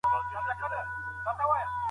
که انټرنیټي اسانتیا وي نو پوهه نه کمیږي.